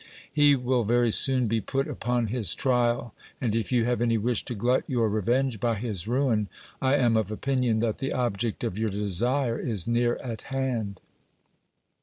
He will very soon be put upon his trial, and if you have any wish to glut your re venge by his ruin, I am of opinion that the object of your desire is near at hand.